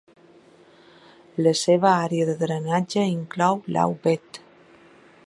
La seva àrea de drenatge inclou l'Aubette.